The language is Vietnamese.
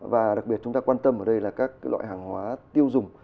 và đặc biệt chúng ta quan tâm ở đây là các loại hàng hóa tiêu dùng